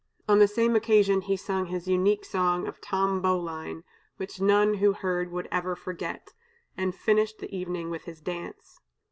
On the same occasion he sung his unique song of "Tom Bowline," which none who heard would ever forget, and finished the evening with his dance.